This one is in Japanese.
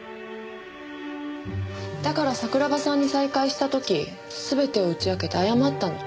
だから桜庭さんに再会した時全てを打ち明けて謝ったの。